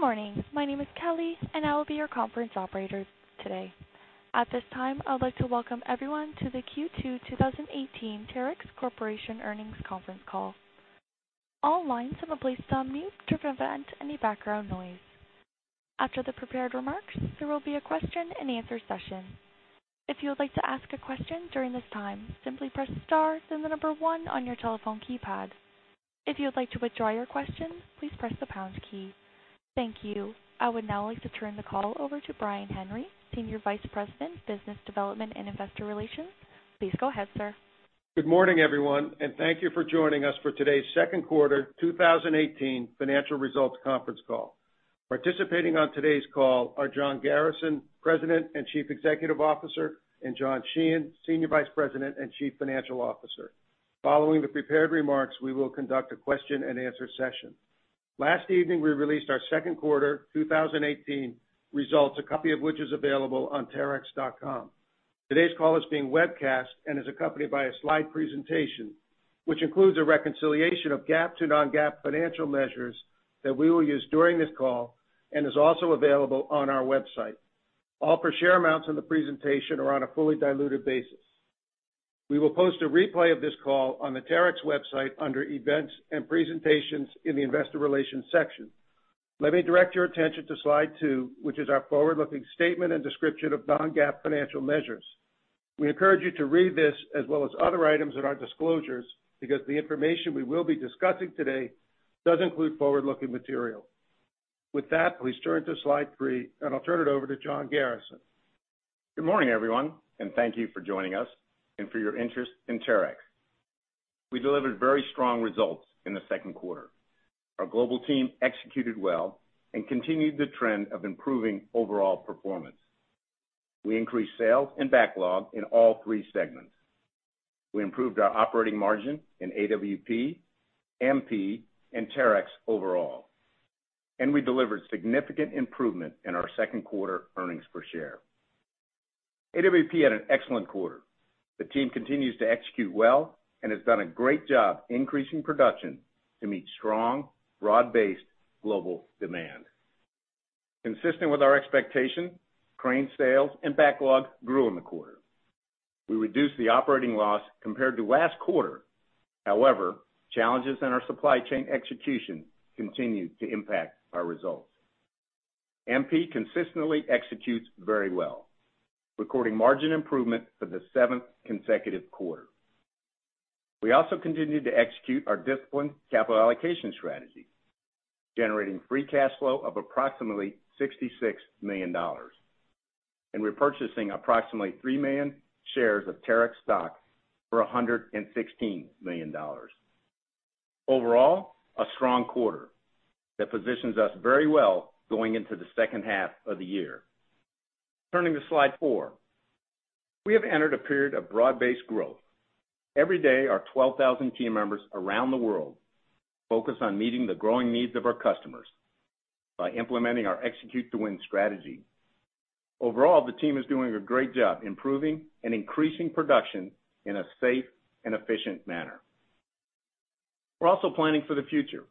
Good morning. My name is Kelly. I will be your conference operator today. At this time, I would like to welcome everyone to the Q2 2018 Terex Corporation Earnings Conference Call. All lines have been placed on mute to prevent any background noise. After the prepared remarks, there will be a question and answer session. If you would like to ask a question during this time, simply press star, then the number 1 on your telephone keypad. If you would like to withdraw your question, please press the pound key. Thank you. I would now like to turn the call over to Brian Henry, Senior Vice President, Business Development and Investor Relations. Please go ahead, sir. Good morning, everyone. Thank you for joining us for today's second quarter 2018 financial results conference call. Participating on today's call are John Garrison, President and Chief Executive Officer, John Sheehan, Senior Vice President and Chief Financial Officer. Following the prepared remarks, we will conduct a question and answer session. Last evening, we released our second quarter 2018 results, a copy of which is available on terex.com. Today's call is being webcast and is accompanied by a slide presentation, which includes a reconciliation of GAAP to non-GAAP financial measures that we will use during this call and is also available on our website. All per share amounts in the presentation are on a fully diluted basis. We will post a replay of this call on the Terex website under Events and Presentations in the Investor Relations section. Let me direct your attention to slide two, which is our forward-looking statement and description of non-GAAP financial measures. We encourage you to read this as well as other items in our disclosures because the information we will be discussing today does include forward-looking material. With that, please turn to slide three. I'll turn it over to John Garrison. Good morning, everyone. Thank you for joining us and for your interest in Terex. We delivered very strong results in the second quarter. Our global team executed well and continued the trend of improving overall performance. We increased sales and backlog in all three segments. We improved our operating margin in AWP, MP, and Terex overall. We delivered significant improvement in our second quarter earnings per share. AWP had an excellent quarter. The team continues to execute well and has done a great job increasing production to meet strong, broad-based global demand. Consistent with our expectation, crane sales and backlog grew in the quarter. We reduced the operating loss compared to last quarter. However, challenges in our supply chain execution continued to impact our results. MP consistently executes very well, recording margin improvement for the seventh consecutive quarter. We also continued to execute our disciplined capital allocation strategy, generating free cash flow of approximately $66 million, and repurchasing approximately 3 million shares of Terex stock for $116 million. Overall, a strong quarter that positions us very well going into the second half of the year. Turning to slide four. We have entered a period of broad-based growth. Every day, our 12,000 team members around the world focus on meeting the growing needs of our customers by implementing our Execute to Win strategy. Overall, the team is doing a great job improving and increasing production in a safe and efficient manner. We're also planning for the future.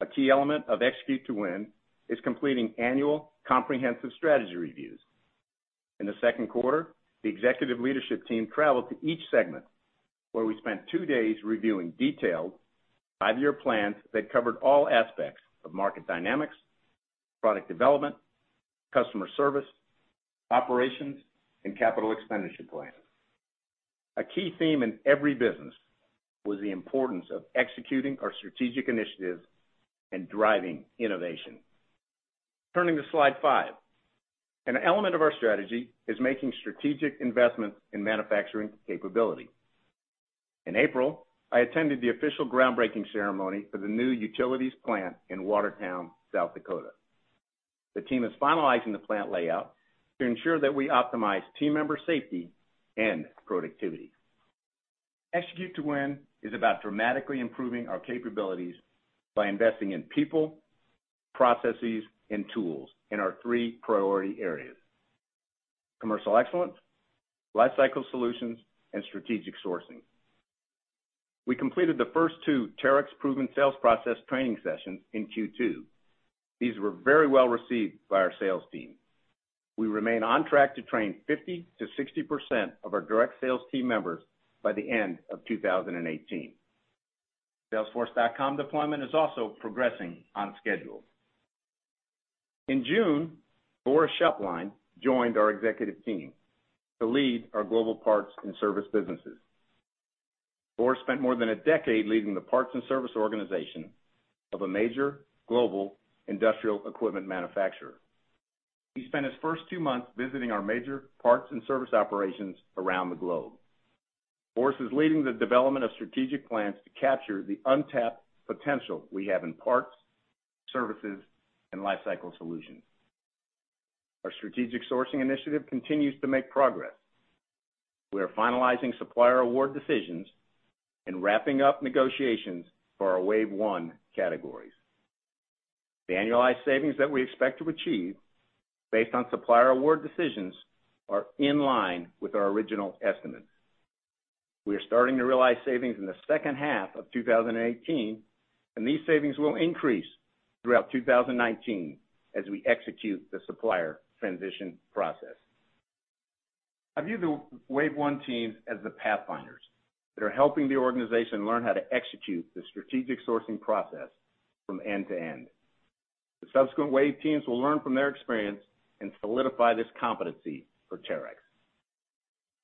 A key element of Execute to Win is completing annual comprehensive strategy reviews. In the second quarter, the executive leadership team traveled to each segment where we spent two days reviewing detailed five-year plans that covered all aspects of market dynamics, product development, customer service, operations, and capital expenditure plans. A key theme in every business was the importance of executing our strategic initiatives and driving innovation. Turning to slide five. An element of our strategy is making strategic investments in manufacturing capability. In April, I attended the official groundbreaking ceremony for the new utilities plant in Watertown, South Dakota. The team is finalizing the plant layout to ensure that we optimize team member safety and productivity. Execute to Win is about dramatically improving our capabilities by investing in people, processes, and tools in our three priority areas, Commercial Excellence, Lifecycle Solutions, and Strategic Sourcing. We completed the first two Terex Proven Sales Process training sessions in Q2. These were very well received by our sales team. We remain on track to train 50%-60% of our direct sales team members by the end of 2018. Salesforce.com deployment is also progressing on schedule. In June, Boris Schöpplein joined our executive team to lead our global parts and service businesses. Boris spent more than a decade leading the parts and service organization of a major global industrial equipment manufacturer. He spent his first two months visiting our major parts and service operations around the globe. Boris is leading the development of strategic plans to capture the untapped potential we have in parts, services, and Lifecycle Solutions. Our Strategic Sourcing initiative continues to make progress. We are finalizing supplier award decisions and wrapping up negotiations for our wave one categories. The annualized savings that we expect to achieve based on supplier award decisions are in line with our original estimates. We are starting to realize savings in the second half of 2018, and these savings will increase throughout 2019 as we execute the supplier transition process. I view the wave one teams as the pathfinders that are helping the organization learn how to execute the Strategic Sourcing process from end to end. The subsequent wave teams will learn from their experience and solidify this competency for Terex.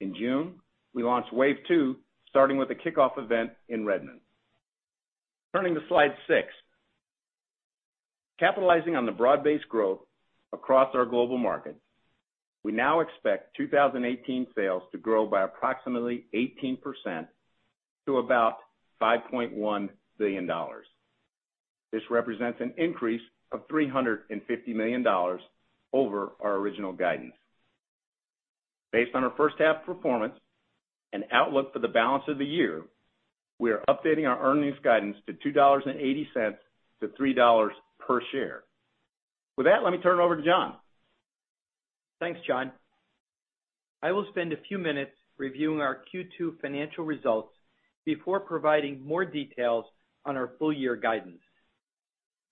In June, we launched wave two, starting with a kickoff event in Redmond. Turning to slide six. Capitalizing on the broad-based growth across our global markets, we now expect 2018 sales to grow by approximately 18% to about $5.1 billion. This represents an increase of $350 million over our original guidance. Based on our first half performance and outlook for the balance of the year, we are updating our earnings guidance to $2.80 to $3 per share. With that, let me turn it over to John. Thanks, John. I will spend a few minutes reviewing our Q2 financial results before providing more details on our full year guidance.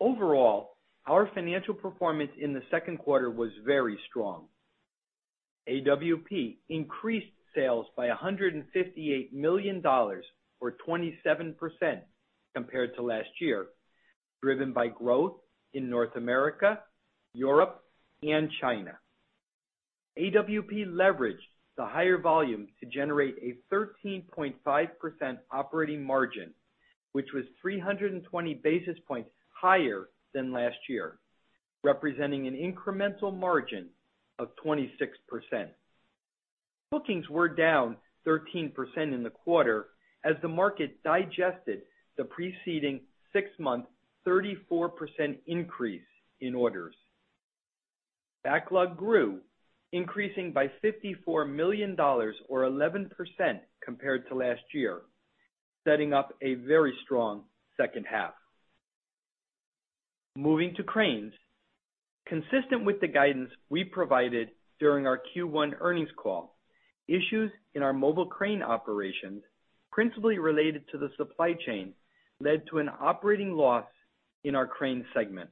Overall, our financial performance in the second quarter was very strong. AWP increased sales by $158 million, or 27%, compared to last year, driven by growth in North America, Europe, and China. AWP leveraged the higher volume to generate a 13.5% operating margin, which was 320 basis points higher than last year, representing an incremental margin of 26%. Bookings were down 13% in the quarter as the market digested the preceding six-month, 34% increase in orders. Backlog grew, increasing by $54 million or 11% compared to last year, setting up a very strong second half. Moving to Cranes. Consistent with the guidance we provided during our Q1 earnings call, issues in our mobile crane operations, principally related to the supply chain, led to an operating loss in our Cranes segment.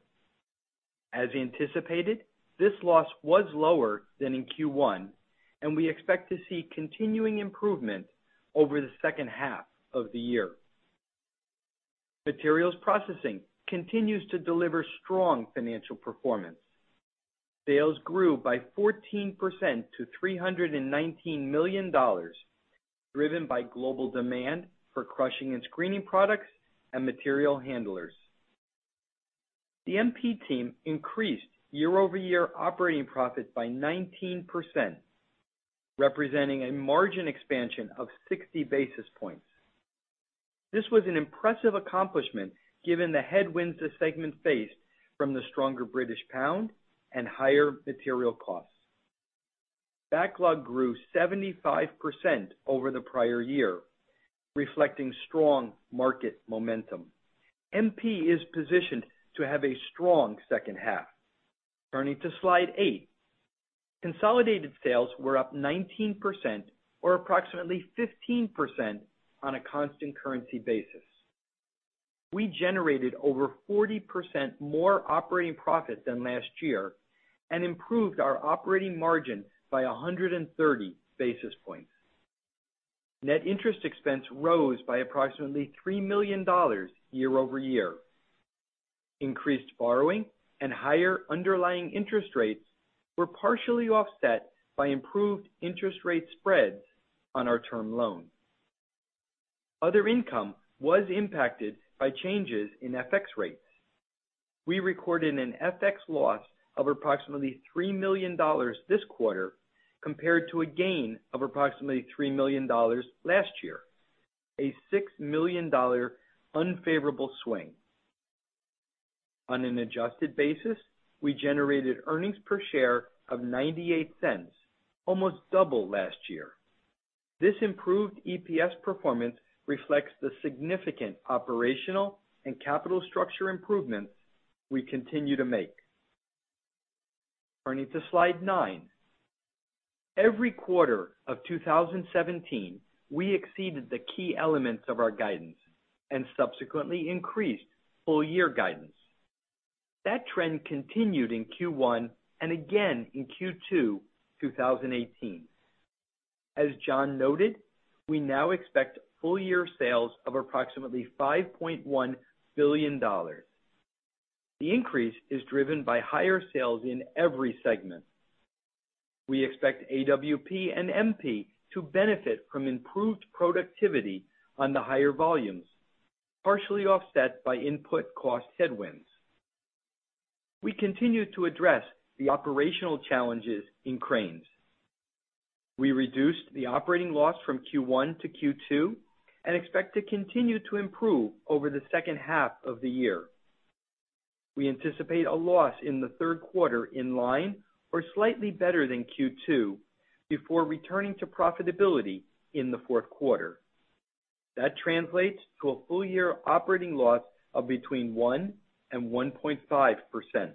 As anticipated, this loss was lower than in Q1, and we expect to see continuing improvement over the second half of the year. Materials Processing continues to deliver strong financial performance. Sales grew by 14% to $319 million, driven by global demand for crushing and screening products and material handlers. The MP team increased year-over-year operating profit by 19%, representing a margin expansion of 60 basis points. This was an impressive accomplishment given the headwinds the segment faced from the stronger British pound and higher material costs. Backlog grew 75% over the prior year, reflecting strong market momentum. MP is positioned to have a strong second half. Turning to slide eight. Consolidated sales were up 19%, or approximately 15% on a constant currency basis. We generated over 40% more operating profit than last year and improved our operating margin by 130 basis points. Net interest expense rose by approximately $3 million year-over-year. Increased borrowing and higher underlying interest rates were partially offset by improved interest rate spreads on our term loan. Other income was impacted by changes in FX rates. We recorded an FX loss of approximately $3 million this quarter compared to a gain of approximately $3 million last year, a $6 million unfavorable swing. On an adjusted basis, we generated earnings per share of $0.98, almost double last year. This improved EPS performance reflects the significant operational and capital structure improvements we continue to make. Turning to slide nine. Every quarter of 2017, we exceeded the key elements of our guidance and subsequently increased full year guidance. That trend continued in Q1 and again in Q2 2018. As John noted, we now expect full year sales of approximately $5.1 billion. The increase is driven by higher sales in every segment. We expect AWP and MP to benefit from improved productivity on the higher volumes, partially offset by input cost headwinds. We continue to address the operational challenges in Cranes. We reduced the operating loss from Q1 to Q2 and expect to continue to improve over the second half of the year. We anticipate a loss in the third quarter in line or slightly better than Q2 before returning to profitability in the fourth quarter. That translates to a full year operating loss of between 1% and 1.5%.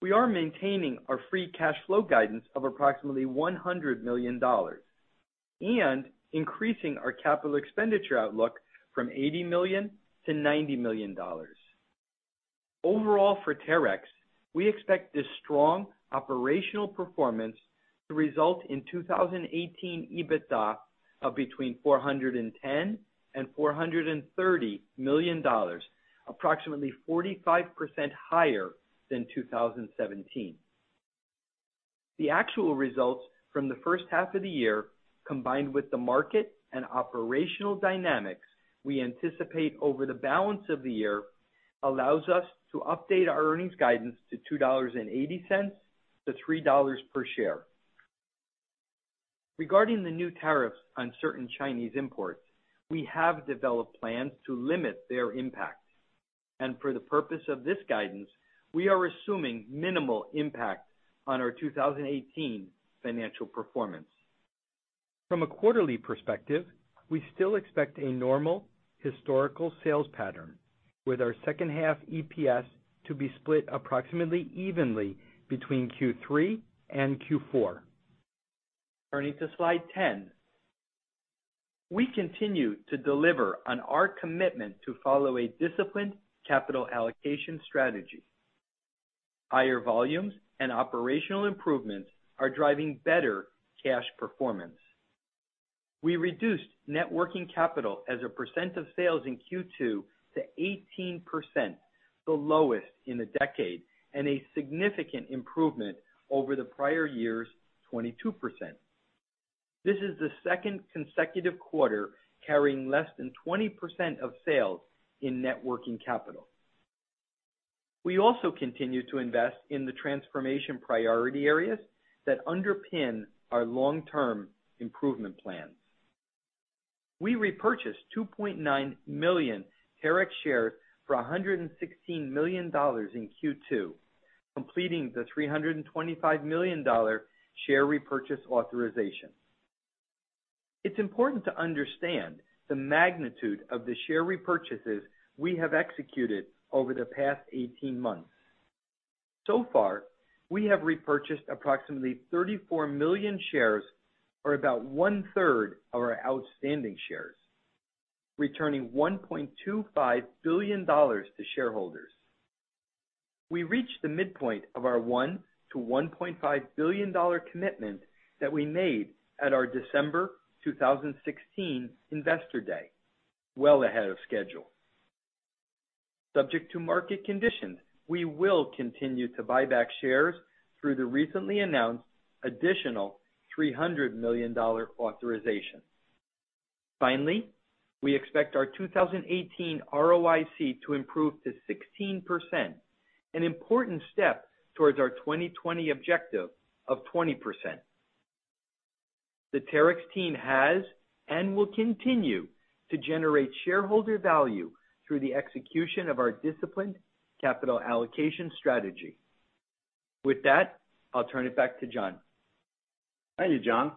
We are maintaining our free cash flow guidance of approximately $100 million and increasing our capital expenditure outlook from $80 million to $90 million. Overall for Terex, we expect this strong operational performance to result in 2018 EBITDA of between $410 million and $430 million, approximately 45% higher than 2017. The actual results from the first half of the year, combined with the market and operational dynamics we anticipate over the balance of the year, allows us to update our earnings guidance to $2.80 to $3 per share. For the purpose of this guidance, we are assuming minimal impact on our 2018 financial performance. From a quarterly perspective, we still expect a normal historical sales pattern with our second half EPS to be split approximately evenly between Q3 and Q4. Turning to slide 10. We continue to deliver on our commitment to follow a disciplined capital allocation strategy. Higher volumes and operational improvements are driving better cash performance. We reduced net working capital as a percent of sales in Q2 to 18%, the lowest in a decade, and a significant improvement over the prior year's 22%. This is the second consecutive quarter carrying less than 20% of sales in net working capital. We also continue to invest in the transformation priority areas that underpin our long-term improvement plans. We repurchased 2.9 million Terex shares for $116 million in Q2, completing the $325 million share repurchase authorization. It's important to understand the magnitude of the share repurchases we have executed over the past 18 months. We have repurchased approximately 34 million shares or about one-third of our outstanding shares, returning $1.25 billion to shareholders. We reached the midpoint of our $1 billion-$1.5 billion commitment that we made at our December 2016 Investor Day, well ahead of schedule. Subject to market conditions, we will continue to buy back shares through the recently announced additional $300 million authorization. Finally, we expect our 2018 ROIC to improve to 16%, an important step towards our 2020 objective of 20%. The Terex team has and will continue to generate shareholder value through the execution of our disciplined capital allocation strategy. With that, I'll turn it back to John. Thank you, John.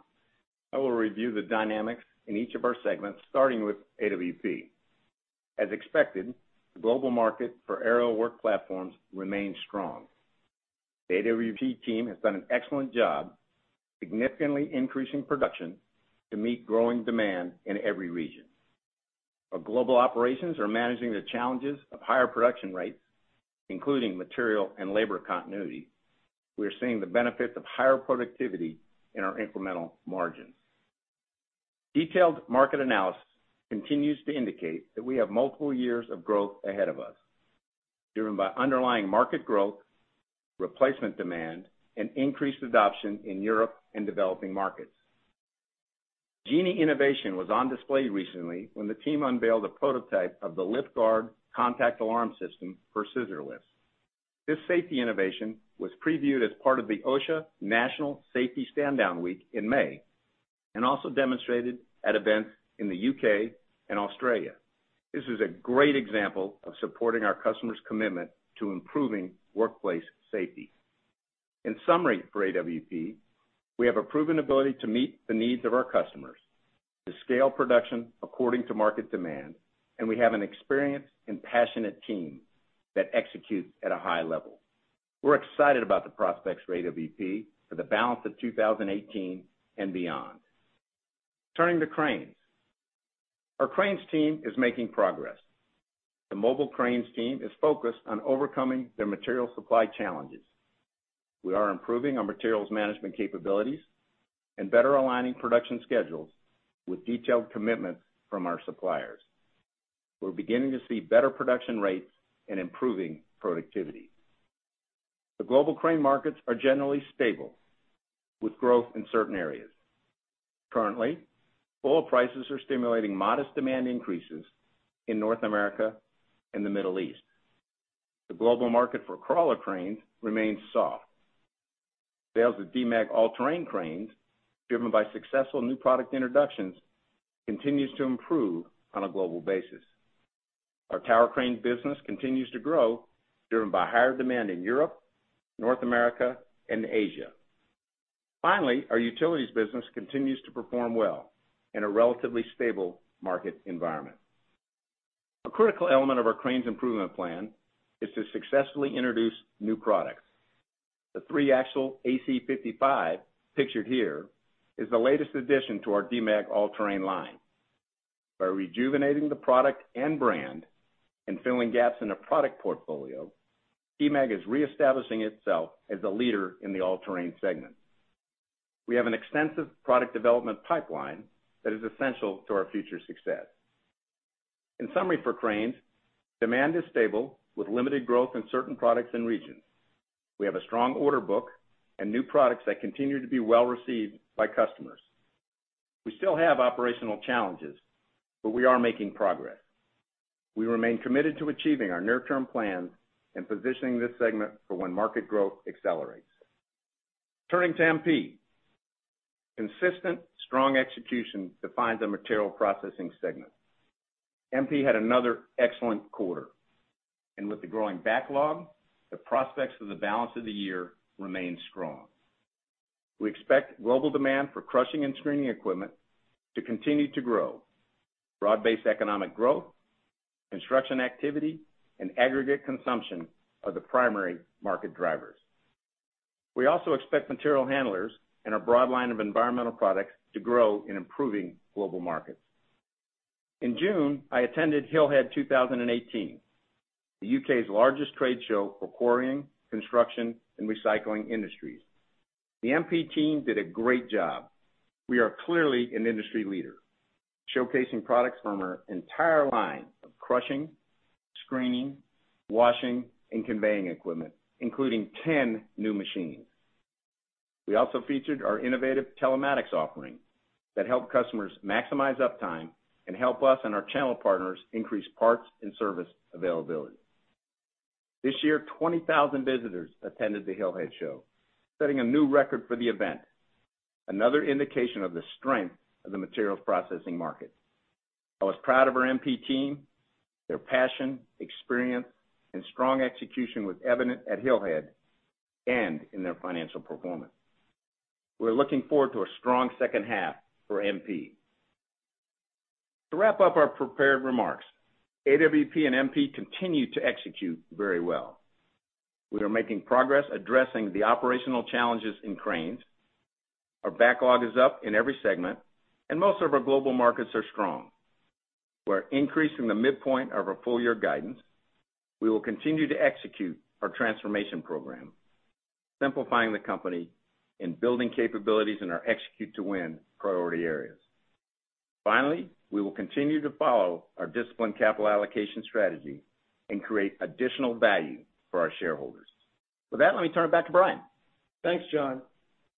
I will review the dynamics in each of our segments, starting with AWP. As expected, the global market for Aerial Work Platforms remains strong. The AWP team has done an excellent job, significantly increasing production to meet growing demand in every region. Our global operations are managing the challenges of higher production rates, including material and labor continuity. We are seeing the benefits of higher productivity in our incremental margins. Detailed market analysis continues to indicate that we have multiple years of growth ahead of us, driven by underlying market growth, replacement demand, and increased adoption in Europe and developing markets. Genie innovation was on display recently when the team unveiled a prototype of the Lift Guard contact alarm system for scissor lifts. This safety innovation was previewed as part of the OSHA National Safety Stand-Down Week in May and also demonstrated at events in the U.K. and Australia. This is a great example of supporting our customers' commitment to improving workplace safety. In summary, for AWP, we have a proven ability to meet the needs of our customers to scale production according to market demand, and we have an experienced and passionate team that executes at a high level. We're excited about the prospects for AWP for the balance of 2018 and beyond. Turning to cranes. Our cranes team is making progress. The mobile cranes team is focused on overcoming their material supply challenges. We are improving our materials management capabilities and better aligning production schedules with detailed commitments from our suppliers. We're beginning to see better production rates and improving productivity. The global crane markets are generally stable, with growth in certain areas. Currently, oil prices are stimulating modest demand increases in North America and the Middle East. The global market for crawler cranes remains soft. Sales of Demag all-terrain cranes, driven by successful new product introductions, continues to improve on a global basis. Our tower crane business continues to grow, driven by higher demand in Europe, North America, and Asia. Our utilities business continues to perform well in a relatively stable market environment. A critical element of our cranes improvement plan is to successfully introduce new products. The three-axle AC 55, pictured here, is the latest addition to our Demag all-terrain line. By rejuvenating the product and brand and filling gaps in the product portfolio, Demag is reestablishing itself as the leader in the all-terrain segment. We have an extensive product development pipeline that is essential to our future success. In summary, for cranes, demand is stable with limited growth in certain products and regions. We have a strong order book and new products that continue to be well-received by customers. We still have operational challenges, but we are making progress. We remain committed to achieving our near-term plans and positioning this segment for when market growth accelerates. Turning to MP. Consistent, strong execution defines the Materials Processing segment. MP had another excellent quarter, with the growing backlog, the prospects for the balance of the year remain strong. We expect global demand for crushing and screening equipment to continue to grow. Broad-based economic growth, construction activity, aggregate consumption are the primary market drivers. We also expect material handlers and our broad line of environmental products to grow in improving global markets. In June, I attended Hillhead 2018, the U.K.'s largest trade show for quarrying, construction, and recycling industries. The MP team did a great job. We are clearly an industry leader, showcasing products from our entire line of crushing, screening, washing, and conveying equipment, including 10 new machines. We also featured our innovative telematics offering that help customers maximize uptime and help us and our channel partners increase parts and service availability. This year, 20,000 visitors attended the Hillhead Show, setting a new record for the event, another indication of the strength of the Materials Processing market. I was proud of our MP team, their passion, experience, and strong execution was evident at Hillhead and in their financial performance. We're looking forward to a strong second half for MP. To wrap up our prepared remarks, AWP and MP continue to execute very well. We are making progress addressing the operational challenges in cranes. Our backlog is up in every segment, and most of our global markets are strong. We're increasing the midpoint of our full-year guidance. We will continue to execute our transformation program, simplifying the company and building capabilities in our Execute to Win priority areas. Finally, we will continue to follow our disciplined capital allocation strategy and create additional value for our shareholders. With that, let me turn it back to Brian. Thanks, John.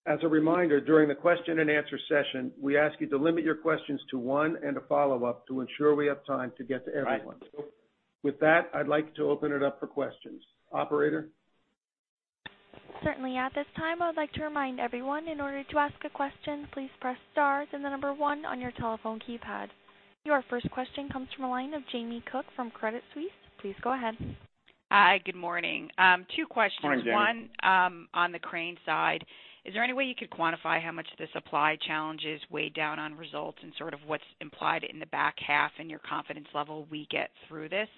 As a reminder, during the question and answer session, we ask you to limit your questions to one and a follow-up to ensure we have time to get to everyone. Right. With that, I'd like to open it up for questions. Operator? Certainly. At this time, I would like to remind everyone, in order to ask a question, please press star then the number one on your telephone keypad. Your first question comes from the line of Jamie Cook from Credit Suisse. Please go ahead. Hi, good morning. Good morning, Jamie. Two questions. One, on the crane side, is there any way you could quantify how much the supply challenges weighed down on results and sort of what's implied in the back half and your confidence level we get through this?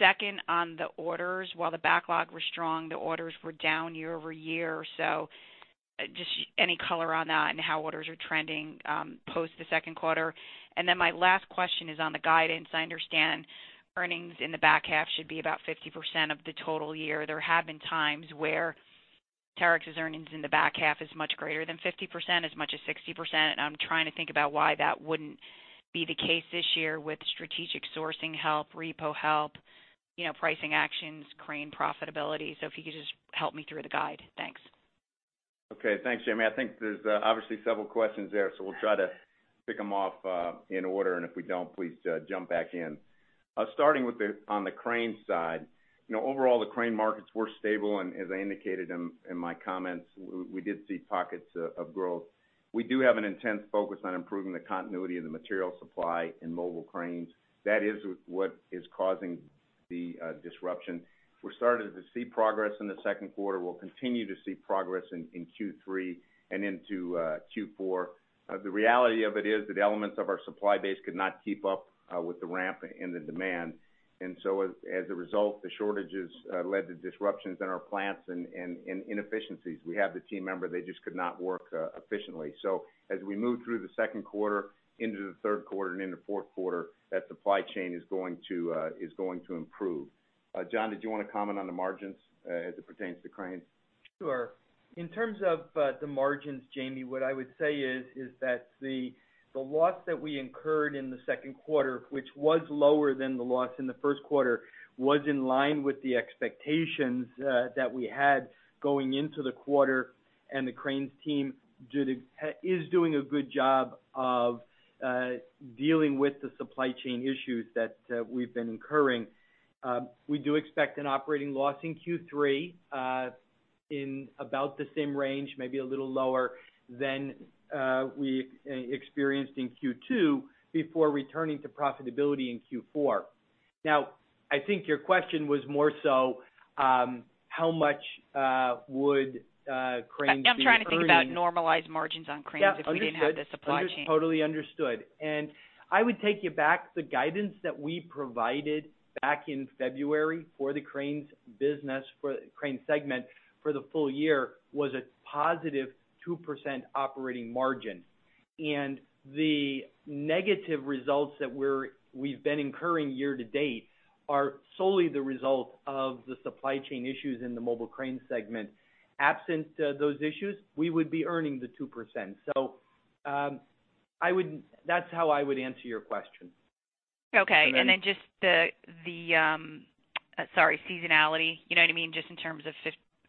Second, on the orders, while the backlog was strong, the orders were down year-over-year. Just any color on that and how orders are trending, post the second quarter. My last question is on the guidance. I understand earnings in the back half should be about 50% of the total year. There have been times where Terex's earnings in the back half is much greater than 50%, as much as 60%. I'm trying to think about why that wouldn't be the case this year with strategic sourcing help, repo help, pricing actions, crane profitability. If you could just help me through the guide. Thanks. Okay. Thanks, Jamie. I think there's obviously several questions there, so we'll try to pick them off in order, and if we don't, please jump back in. Starting on the crane side. Overall, the crane markets were stable, and as I indicated in my comments, we did see pockets of growth. We do have an intense focus on improving the continuity of the material supply in mobile cranes. That is what is causing the disruption. We're starting to see progress in the second quarter. We'll continue to see progress in Q3 and into Q4. The reality of it is that elements of our supply base could not keep up with the ramp in the demand. As a result, the shortages led to disruptions in our plants and inefficiencies. We have the team member, they just could not work efficiently. As we move through the second quarter into the third quarter and into fourth quarter, that supply chain is going to improve. John, did you want to comment on the margins as it pertains to cranes? Sure. In terms of the margins, Jamie, what I would say is that the loss that we incurred in the second quarter, which was lower than the loss in the first quarter, was in line with the expectations that we had going into the quarter, and the cranes team is doing a good job of dealing with the supply chain issues that we've been incurring. We do expect an operating loss in Q3 in about the same range, maybe a little lower than we experienced in Q2 before returning to profitability in Q4. I think your question was more so how much would cranes be earning- I'm trying to think about normalized margins on cranes- Yeah, understood if we didn't have the supply chain. Totally understood. I would take you back, the guidance that we provided back in February for the cranes business, for the crane segment for the full year was a positive 2% operating margin. The negative results that we've been incurring year-to-date are solely the result of the supply chain issues in the mobile crane segment. Absent those issues, we would be earning the 2%. That's how I would answer your question. Okay. And then- Just the, sorry, seasonality. You know what I mean? Just in terms of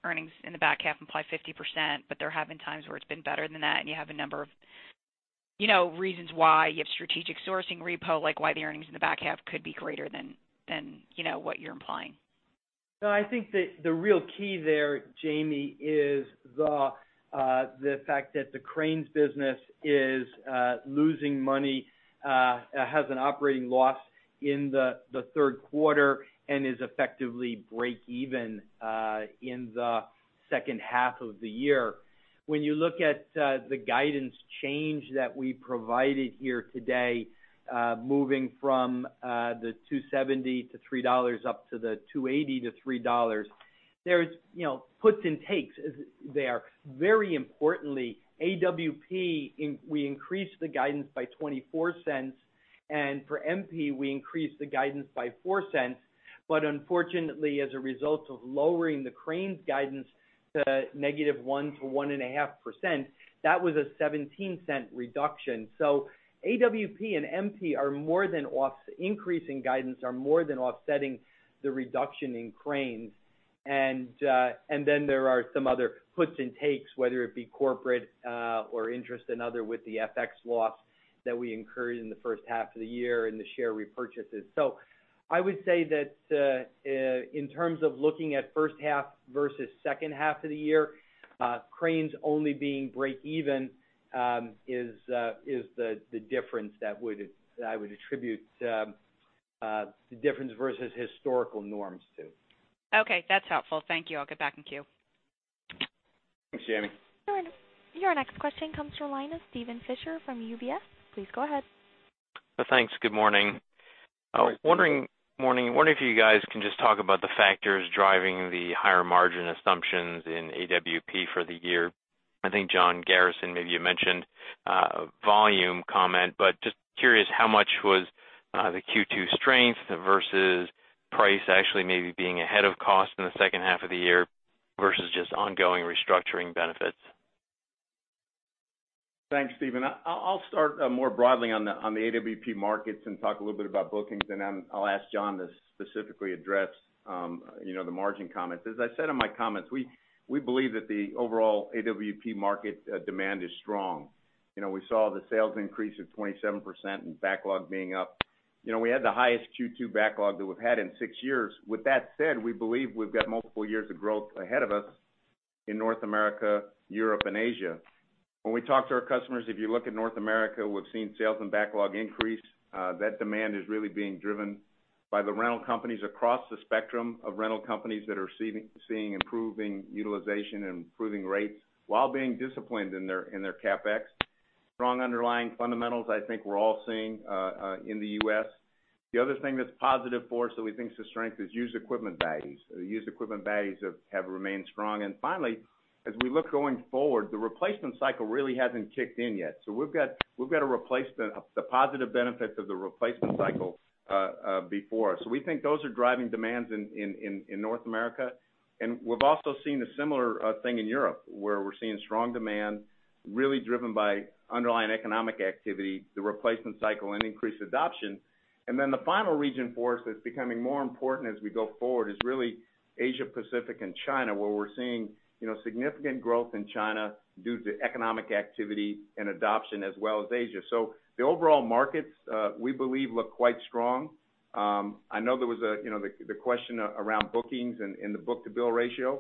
earnings in the back half imply 50%, there have been times where it's been better than that, and you have a number of reasons why. You have strategic sourcing repo, like why the earnings in the back half could be greater than what you're implying. No, I think that the real key there, Jamie, is the fact that the cranes business is losing money, has an operating loss in the third quarter and is effectively break even in the second half of the year. When you look at the guidance change that we provided here today, moving from the $2.70-$3 up to the $2.80-$3, there's puts and takes there. Very importantly, AWP, we increased the guidance by $0.24. For MP, we increased the guidance by $0.04. Unfortunately, as a result of lowering the cranes guidance to -1% to 1.5%, that was a $0.17 reduction. AWP and MP increase in guidance are more than offsetting the reduction in cranes. There are some other puts and takes, whether it be corporate or interest and other with the FX loss that we incurred in the first half of the year and the share repurchases. I would say that in terms of looking at first half versus second half of the year, cranes only being break even is the difference that I would attribute the difference versus historical norms to. Okay. That's helpful. Thank you. I'll get back in queue. Thanks, Jamie. Your next question comes from the line of Steven Fisher from UBS. Please go ahead. Thanks. Good morning. Good morning. Wondering if you guys can just talk about the factors driving the higher margin assumptions in AWP for the year. I think, John Garrison, maybe you mentioned a volume comment, but just curious how much was the Q2 strength versus price actually maybe being ahead of cost in the second half of the year versus just ongoing restructuring benefits. Thanks, Steven. I'll start more broadly on the AWP markets and talk a little bit about bookings. Then I'll ask John to specifically address the margin comments. As I said in my comments, we believe that the overall AWP market demand is strong. We saw the sales increase of 27% and backlog being up. We had the highest Q2 backlog that we've had in six years. With that said, we believe we've got multiple years of growth ahead of us in North America, Europe, and Asia. When we talk to our customers, if you look at North America, we've seen sales and backlog increase. That demand is really being driven by the rental companies across the spectrum of rental companies that are seeing improving utilization and improving rates while being disciplined in their CapEx. Strong underlying fundamentals I think we're all seeing in the U.S. The other thing that's positive for us that we think is a strength is used equipment values. The used equipment values have remained strong. Finally, as we look going forward, the replacement cycle really hasn't kicked in yet. We've got the positive benefits of the replacement cycle before us. We think those are driving demands in North America. We've also seen a similar thing in Europe, where we're seeing strong demand really driven by underlying economic activity, the replacement cycle, and increased adoption. Then the final region for us that's becoming more important as we go forward is really Asia-Pacific and China, where we're seeing significant growth in China due to economic activity and adoption as well as Asia. The overall markets, we believe, look quite strong. I know there was the question around bookings and the book-to-bill ratio.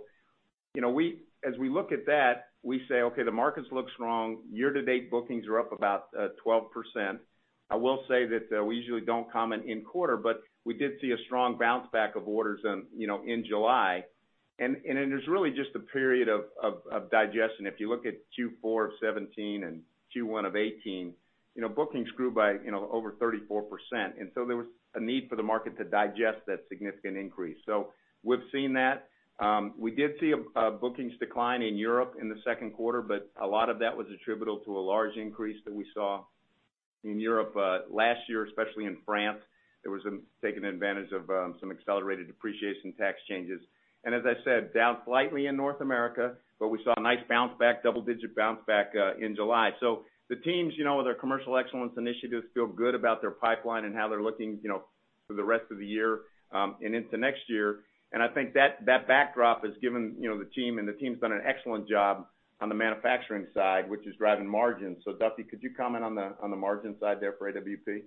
As we look at that, we say, okay, the markets look strong. Year to date, bookings are up about 12%. I will say that we usually don't comment in quarter, but we did see a strong bounce back of orders in July. Then there's really just a period of digestion. If you look at Q4 of 2017 and Q1 of 2018, bookings grew by over 34%. There was a need for the market to digest that significant increase. We've seen that. We did see a bookings decline in Europe in the second quarter, but a lot of that was attributable to a large increase that we saw in Europe last year, especially in France. There was taking advantage of some accelerated depreciation tax changes. As I said, down slightly in North America, but we saw a nice bounce back, double-digit bounce back in July. The teams, with their commercial excellence initiatives, feel good about their pipeline and how they're looking for the rest of the year and into next year. I think that backdrop has given the team, and the team's done an excellent job on the manufacturing side, which is driving margins. Duffy, could you comment on the margin side there for AWP?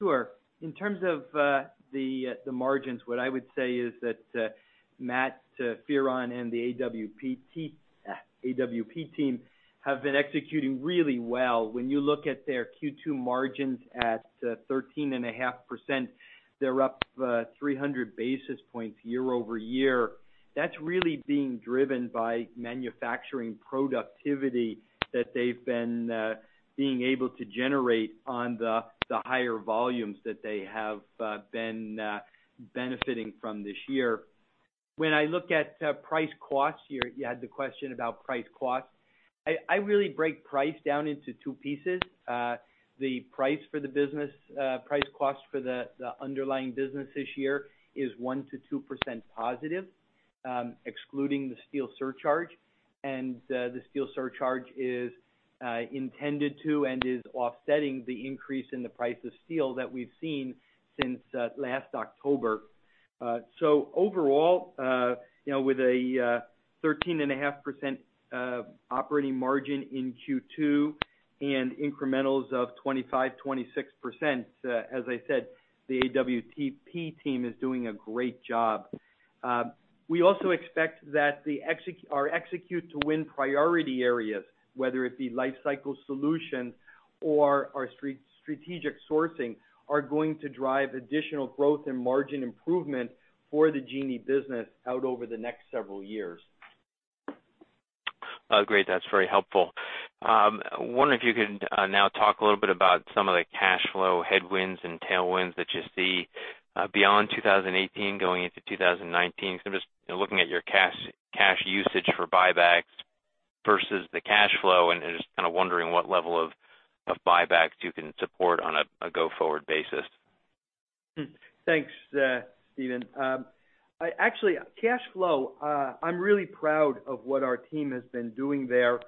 Sure. In terms of the margins, what I would say is that Matthew Fearon and the AWP team have been executing really well. When you look at their Q2 margins at 13.5%, they're up 300 basis points year-over-year. That's really being driven by manufacturing productivity that they've been being able to generate on the higher volumes that they have been benefiting from this year. When I look at price costs here, you had the question about price cost. I really break price down into two pieces. The price cost for the underlying business this year is 1%-2% positive, excluding the steel surcharge. The steel surcharge is intended to, and is offsetting the increase in the price of steel that we've seen since last October. Overall, with a 13.5% operating margin in Q2 and incrementals of 25%-26%, as I said, the AWP team is doing a great job. We also expect that our Execute to Win priority areas, whether it be life cycle solutions or our strategic sourcing, are going to drive additional growth and margin improvement for the Genie business out over the next several years. Great. That's very helpful. Wonder if you could now talk a little bit about some of the cash flow headwinds and tailwinds that you see beyond 2018 going into 2019. I'm just looking at your cash usage for buybacks versus the cash flow and just kind of wondering what level of buybacks you can support on a go-forward basis. Thanks, Steven. Actually, cash flow, I'm really proud of what our team has been doing there.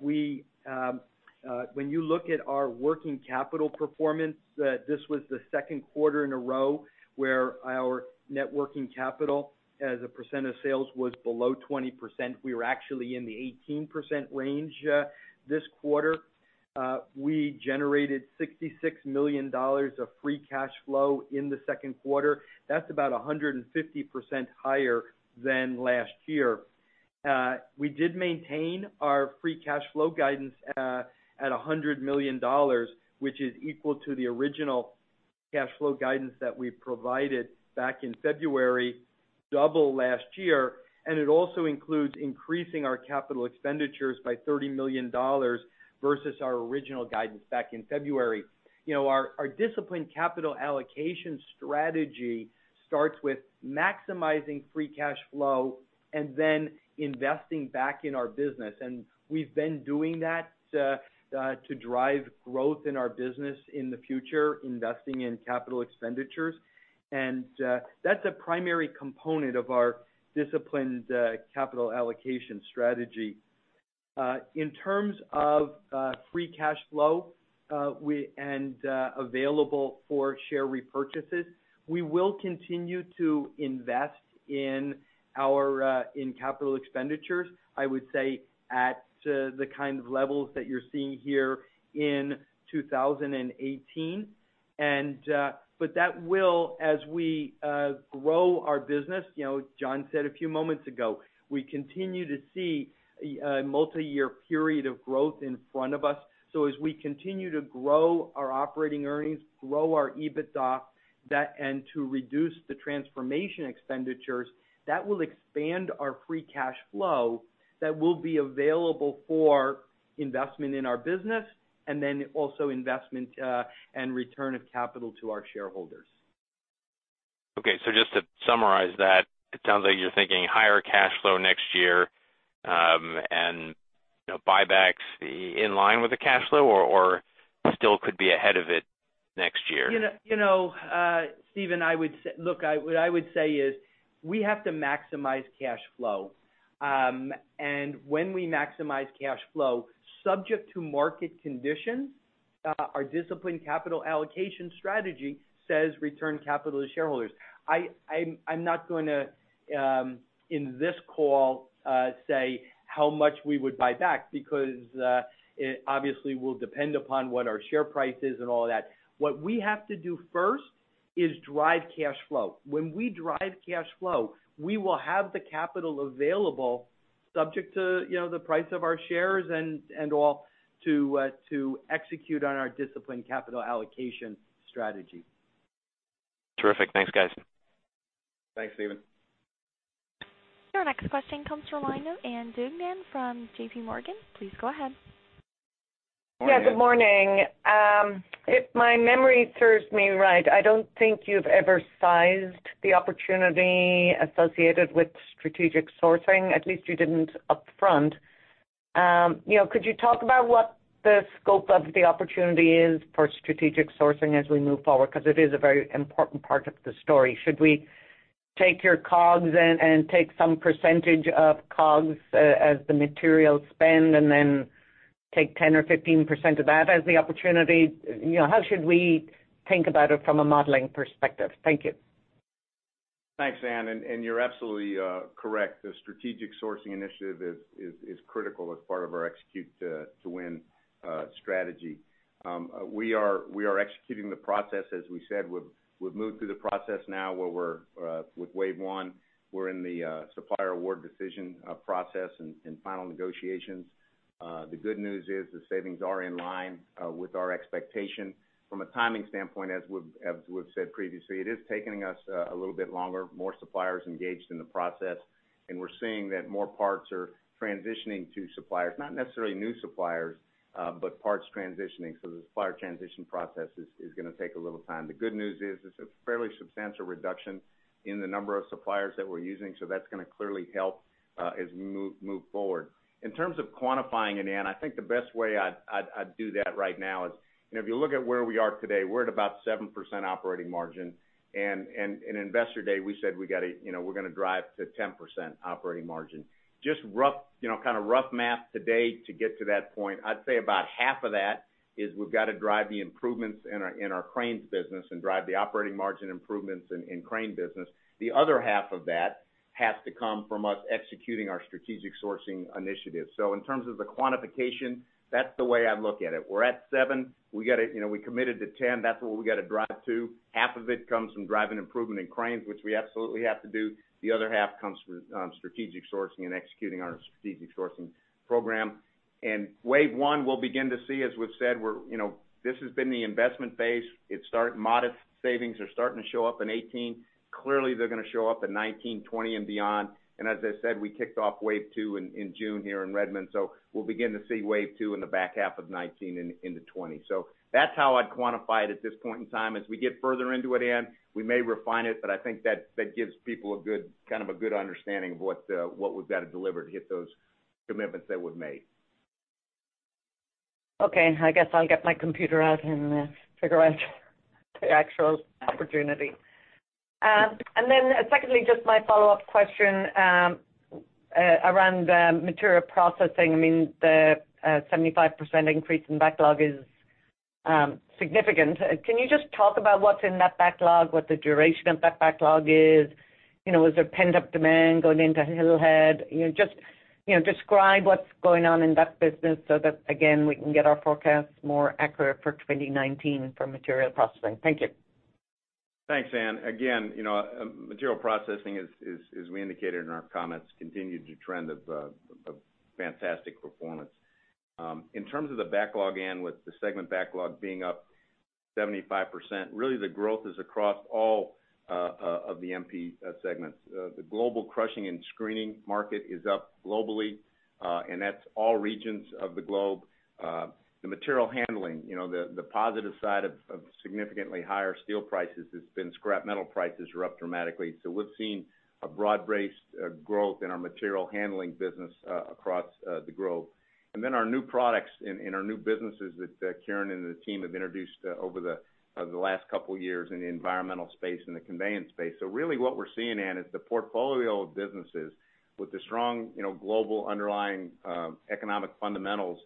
When you look at our working capital performance, this was the second quarter in a row where our net working capital as a percent of sales was below 20%. We were actually in the 18% range this quarter. We generated $66 million of free cash flow in the second quarter. That's about 150% higher than last year. We did maintain our free cash flow guidance at $100 million, which is equal to the original cash flow guidance that we provided back in February, double last year, and it also includes increasing our capital expenditures by $30 million versus our original guidance back in February. Our disciplined capital allocation strategy starts with maximizing free cash flow and then investing back in our business. We've been doing that to drive growth in our business in the future, investing in capital expenditures. That's a primary component of our disciplined capital allocation strategy. In terms of free cash flow and available for share repurchases, we will continue to invest in capital expenditures, I would say, at the kind of levels that you're seeing here in 2018. That will, as we grow our business, John said a few moments ago, we continue to see a multi-year period of growth in front of us. As we continue to grow our operating earnings, grow our EBITDA, that, and to reduce the transformation expenditures, that will expand our free cash flow that will be available for investment in our business and then also investment and return of capital to our shareholders. Okay, just to summarize that, it sounds like you're thinking higher cash flow next year, and buybacks in line with the cash flow or still could be ahead of it next year? Steven, look, what I would say is we have to maximize cash flow. When we maximize cash flow, subject to market conditions, our disciplined capital allocation strategy says return capital to shareholders. I'm not going to, in this call, say how much we would buy back because it obviously will depend upon what our share price is and all that. What we have to do first is drive cash flow. When we drive cash flow, we will have the capital available subject to the price of our shares and all to execute on our disciplined capital allocation strategy. Terrific. Thanks, guys. Thanks, Steven. Your next question comes from Ann Duignan from JPMorgan. Please go ahead. Good morning. If my memory serves me right, I don't think you've ever sized the opportunity associated with Strategic Sourcing. At least you didn't upfront. Could you talk about what the scope of the opportunity is for Strategic Sourcing as we move forward? It is a very important part of the story. Should we take your COGS and take some percentage of COGS as the material spend and then take 10% or 15% of that as the opportunity? How should we think about it from a modeling perspective? Thank you. Thanks, Ann, you're absolutely correct. The Strategic Sourcing initiative is critical as part of our Execute to Win strategy. We are executing the process as we said. We've moved through the process now where we're with wave one. We're in the supplier award decision process and final negotiations. The good news is the savings are in line with our expectation. From a timing standpoint, as we've said previously, it is taking us a little bit longer, more suppliers engaged in the process, and we're seeing that more parts are transitioning to suppliers, not necessarily new suppliers, but parts transitioning. The supplier transition process is going to take a little time. The good news is it's a fairly substantial reduction in the number of suppliers that we're using, that's going to clearly help as we move forward. In terms of quantifying it, Ann, I think the best way I'd do that right now is if you look at where we are today, we're at about 7% operating margin. In Investor Day, we said we're going to drive to 10% operating margin. Just kind of rough math today to get to that point, I'd say about half of that is we've got to drive the improvements in our Cranes business and drive the operating margin improvements in Crane business. The other half of that has to come from us executing our Strategic Sourcing initiative. In terms of the quantification, that's the way I look at it. We're at seven, we committed to 10. That's what we got to drive to. Half of it comes from driving improvement in Cranes, which we absolutely have to do. The other half comes from strategic sourcing and executing our strategic sourcing program. Wave 1, we'll begin to see, as we've said, this has been the investment phase. Modest savings are starting to show up in 2018. Clearly, they're going to show up in 2019, 2020, and beyond. As I said, we kicked off wave 2 in June here in Redmond, we'll begin to see wave 2 in the back half of 2019 into 2020. That's how I'd quantify it at this point in time. As we get further into it, Ann, we may refine it, but I think that gives people kind of a good understanding of what we've got to deliver to hit those commitments that we've made. Okay. I guess I'll get my computer out and figure out the actual opportunity. Then secondly, just my follow-up question around Materials Processing. The 75% increase in backlog is significant. Can you just talk about what's in that backlog, what the duration of that backlog is? Is there pent-up demand going into Hillhead? Just describe what's going on in that business so that, again, we can get our forecasts more accurate for 2019 for Materials Processing. Thank you. Thanks, Ann. Again, Materials Processing, as we indicated in our comments, continued to trend of fantastic performance. In terms of the backlog, Ann, with the segment backlog being up 75%, really the growth is across all of the MP segments. The global crushing and screening market is up globally, that's all regions of the globe. The material handling, the positive side of significantly higher steel prices has been scrap metal prices are up dramatically. We've seen a broad-based growth in our material handling business across the globe. Then our new products and our new businesses that Kieran and the team have introduced over the last couple of years in the environmental space and the conveyance space. Really what we're seeing, Ann, is the portfolio of businesses with the strong global underlying economic fundamentals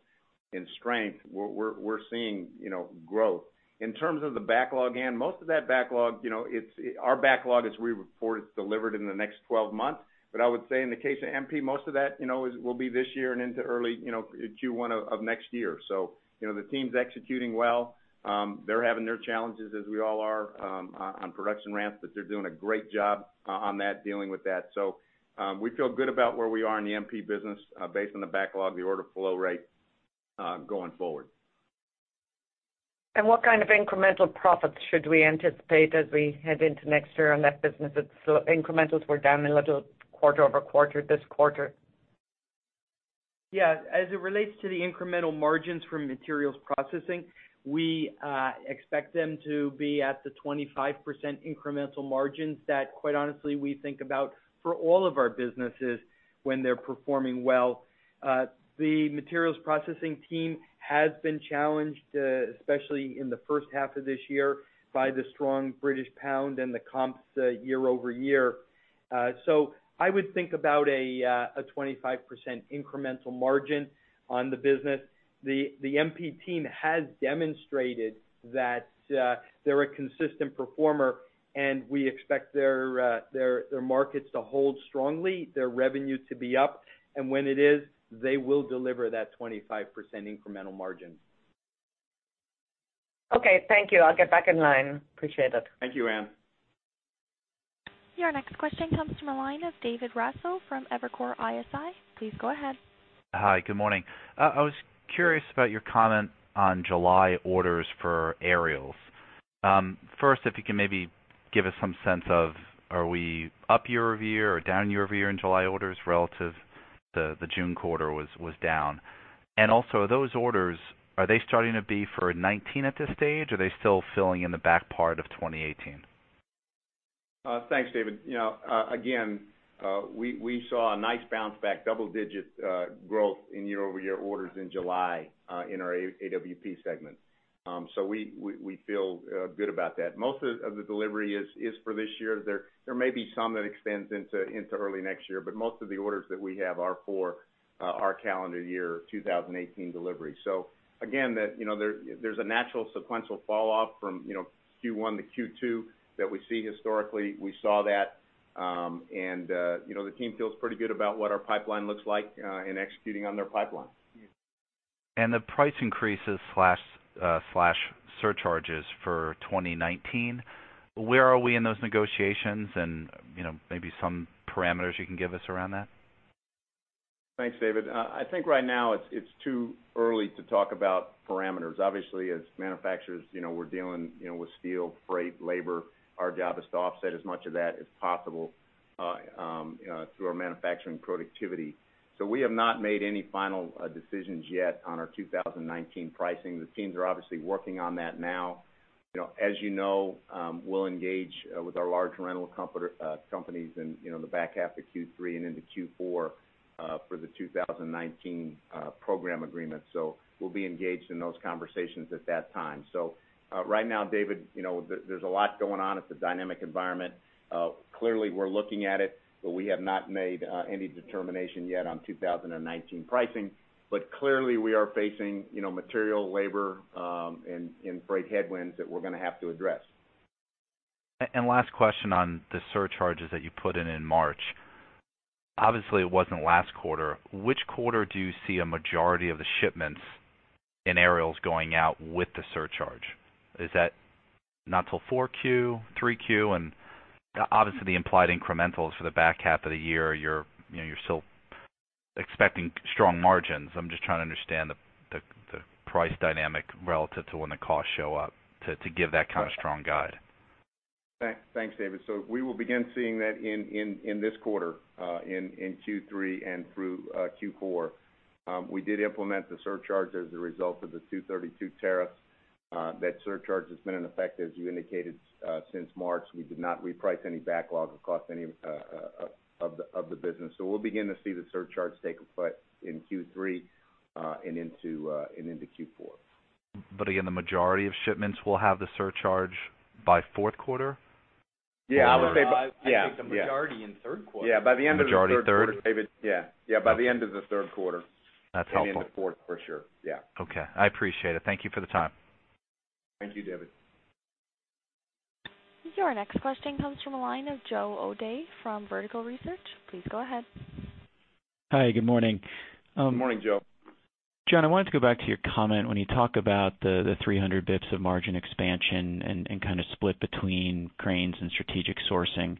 in strength. We're seeing growth. In terms of the backlog, Ann, most of our backlog is we report it's delivered in the next 12 months. I would say in the case of MP, most of that will be this year and into early Q1 of next year. The team's executing well. They're having their challenges, as we all are, on production ramps, but they're doing a great job on that, dealing with that. We feel good about where we are in the MP business based on the backlog, the order flow rate going forward. What kind of incremental profits should we anticipate as we head into next year on that business? Incrementals were down a little quarter-over-quarter this quarter. Yeah. As it relates to the incremental margins from Materials Processing, we expect them to be at the 25% incremental margins that quite honestly we think about for all of our businesses when they're performing well. The Materials Processing team has been challenged, especially in the first half of this year, by the strong British pound and the comps year-over-year. I would think about a 25% incremental margin on the business. The MP team has demonstrated that they're a consistent performer, and we expect their markets to hold strongly, their revenue to be up, and when it is, they will deliver that 25% incremental margin. Okay, thank you. I'll get back in line. Appreciate it. Thank you, Ann. Your next question comes from the line of David Raso from Evercore ISI. Please go ahead. Hi, good morning. I was curious about your comment on July orders for Aerials. First, if you can maybe give us some sense of, are we up year-over-year or down year-over-year in July orders relative, the June quarter was down. Also those orders, are they starting to be for 2019 at this stage, or are they still filling in the back part of 2018? Thanks, David. Again, we saw a nice bounce back double-digit growth in year-over-year orders in July in our AWP segment. We feel good about that. Most of the delivery is for this year. There may be some that extends into early next year, but most of the orders that we have are for our calendar year 2018 delivery. Again, there's a natural sequential fall off from Q1 to Q2 that we see historically. We saw that. The team feels pretty good about what our pipeline looks like and executing on their pipeline. The price increases/surcharges for 2019, where are we in those negotiations and maybe some parameters you can give us around that? Thanks, David. I think right now it's too early to talk about parameters. Obviously, as manufacturers, we're dealing with steel, freight, labor. Our job is to offset as much of that as possible through our manufacturing productivity. We have not made any final decisions yet on our 2019 pricing. The teams are obviously working on that now. As you know, we'll engage with our large rental companies in the back half of Q3 and into Q4 for the 2019 program agreement. We'll be engaged in those conversations at that time. Right now, David, there's a lot going on. It's a dynamic environment. Clearly, we're looking at it, but we have not made any determination yet on 2019 pricing. Clearly, we are facing material, labor, and freight headwinds that we're going to have to address. Last question on the surcharges that you put in in March. Obviously, it wasn't last quarter. Which quarter do you see a majority of the shipments in aerials going out with the surcharge? Is that not till 4Q, 3Q? Obviously, the implied incrementals for the back half of the year, you're still expecting strong margins. I'm just trying to understand the price dynamic relative to when the costs show up to give that kind of strong guide. Thanks, David. We will begin seeing that in this quarter, in Q3 and through Q4. We did implement the surcharge as a result of the 232 tariff. That surcharge has been in effect, as you indicated, since March. We did not reprice any backlog across any of the business. We'll begin to see the surcharge take effect in Q3 and into Q4. Again, the majority of shipments will have the surcharge by fourth quarter? Yeah. I would say the majority in third quarter. Yeah, by the end of the third quarter, David. Majority third? Yeah, by the end of the third quarter. That's helpful. Into fourth, for sure. Yeah. Okay. I appreciate it. Thank you for the time. Thank you, David. Your next question comes from the line of Joe O'Dea from Vertical Research. Please go ahead. Hi, good morning. Good morning, Joe. John, I wanted to go back to your comment when you talk about the 300 basis points of margin expansion and kind of split between cranes and strategic sourcing.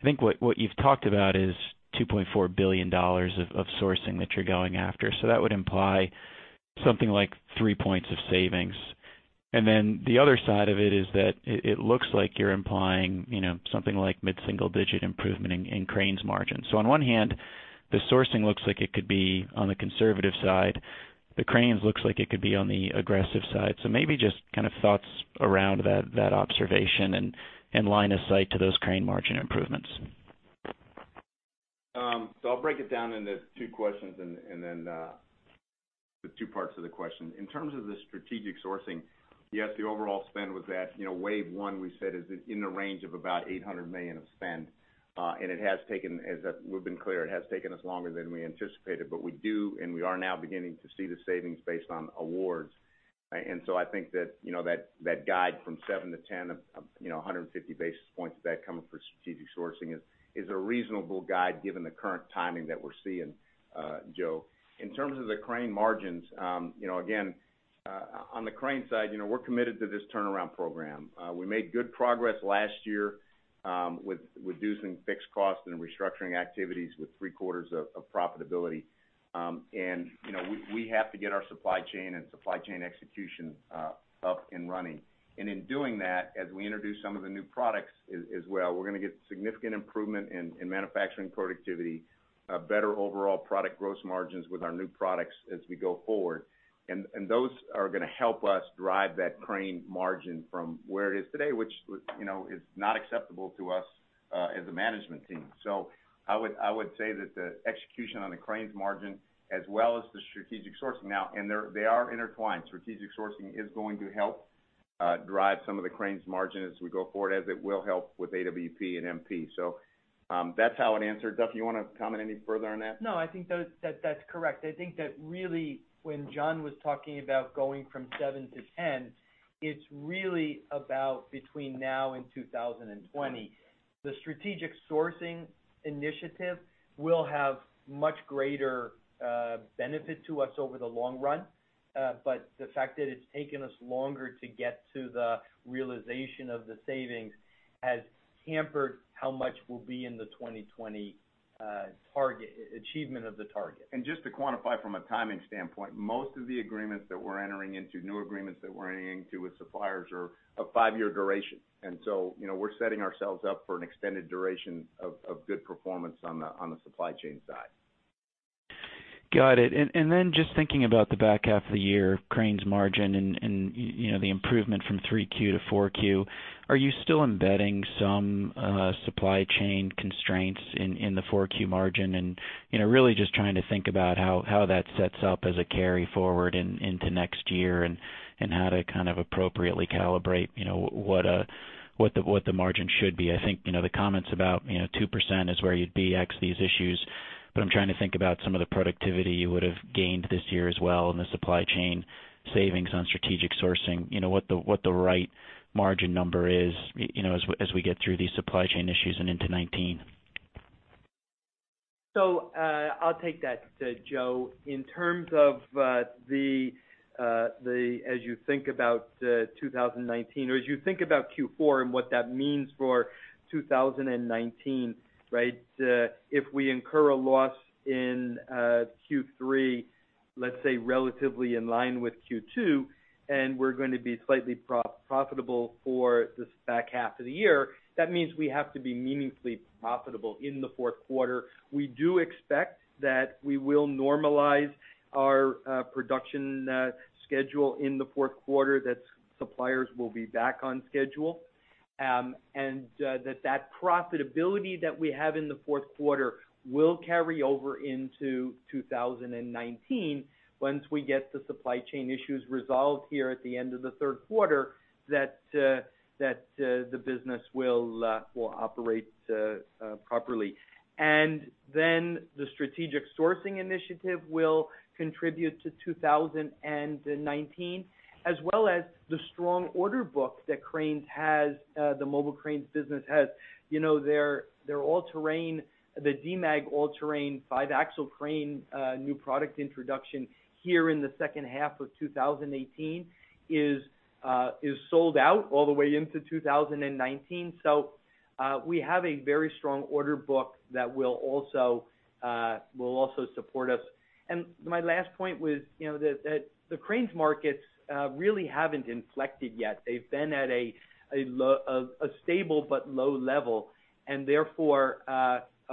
I think what you've talked about is $2.4 billion of sourcing that you're going after. That would imply something like 3 points of savings. Then the other side of it is that it looks like you're implying something like mid-single digit improvement in cranes margin. On one hand, the sourcing looks like it could be on the conservative side. The cranes looks like it could be on the aggressive side. Maybe just kind of thoughts around that observation and line of sight to those crane margin improvements. I'll break it down into two questions and then the two parts of the question. In terms of the strategic sourcing, yes, the overall spend was that wave one we said is in the range of about $800 million of spend. We've been clear, it has taken us longer than we anticipated, but we do, and we are now beginning to see the savings based on awards. I think that guide from 7 to 10 of 150 basis points of that coming from strategic sourcing is a reasonable guide given the current timing that we're seeing, Joe. In terms of the crane margins, again, on the crane side, we're committed to this turnaround program. We made good progress last year with reducing fixed costs and restructuring activities with three-quarters of profitability. We have to get our supply chain and supply chain execution up and running. In doing that, as we introduce some of the new products as well, we're going to get significant improvement in manufacturing productivity, better overall product gross margins with our new products as we go forward. Those are going to help us drive that crane margin from where it is today, which is not acceptable to us as a management team. I would say that the execution on the cranes margin as well as the strategic sourcing now. They are intertwined. Strategic sourcing is going to help drive some of the cranes margin as we go forward, as it will help with AWP and MP. That's how I'd answer it. Duff, you want to comment any further on that? No, I think that's correct. I think that really when John was talking about going from 7 to 10, it's really about between now and 2020. The strategic sourcing initiative will have much greater benefit to us over the long run. The fact that it's taken us longer to get to the realization of the savings has hampered how much will be in the 2020 achievement of the target. Just to quantify from a timing standpoint, most of the agreements that we're entering into, new agreements that we're entering into with suppliers are of five-year duration. We're setting ourselves up for an extended duration of good performance on the supply chain side. Got it. Just thinking about the back half of the year, cranes margin and the improvement from 3Q to 4Q, are you still embedding some supply chain constraints in the 4Q margin? Really just trying to think about how that sets up as a carry forward into next year and how to kind of appropriately calibrate what the margin should be. I think the comments about 2% is where you'd be ex these issues. I'm trying to think about some of the productivity you would've gained this year as well in the supply chain savings on strategic sourcing. What the right margin number is as we get through these supply chain issues and into 2019. So I'll take that, Joe. In terms of as you think about 2019 or as you think about Q4 and what that means for 2019, if we incur a loss in Q3, let's say, relatively in line with Q2, we're going to be slightly profitable for this back half of the year, that means we have to be meaningfully profitable in the fourth quarter. We do expect that we will normalize our production schedule in the fourth quarter, that suppliers will be back on schedule. That profitability that we have in the fourth quarter will carry over into 2019 once we get the supply chain issues resolved here at the end of the third quarter, that the business will operate properly. Then the strategic sourcing initiative will contribute to 2019 as well as the strong order book that the mobile cranes business has. Their Demag all-terrain five-axle crane new product introduction here in the second half of 2018 is sold out all the way into 2019. We have a very strong order book that will also support us. My last point was that the cranes markets really haven't inflected yet. They've been at a stable but low level, therefore,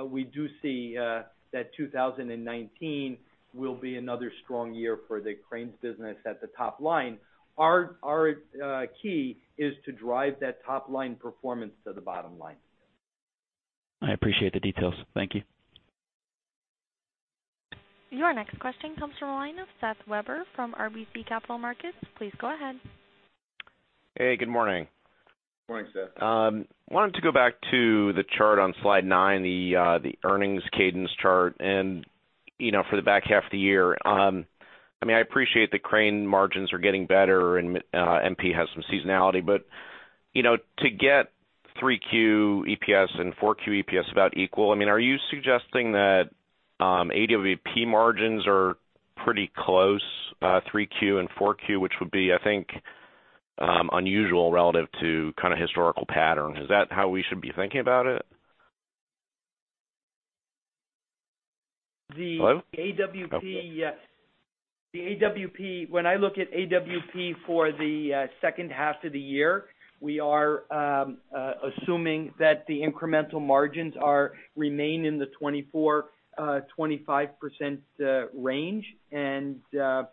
we do see that 2019 will be another strong year for the cranes business at the top line. Our key is to drive that top-line performance to the bottom line. I appreciate the details. Thank you. Your next question comes from the line of Seth Weber from RBC Capital Markets. Please go ahead. Hey, good morning. Good morning, Seth. Wanted to go back to the chart on slide nine, the earnings cadence chart, and for the back half of the year. I appreciate that crane margins are getting better and MP has some seasonality, to get 3Q EPS and 4Q EPS about equal, are you suggesting that AWP margins are pretty close, 3Q and 4Q, which would be, I think, unusual relative to historical pattern. Is that how we should be thinking about it? Hello? The AWP, when I look at AWP for the second half of the year, we are assuming that the incremental margins remain in the 24%-25% range, and that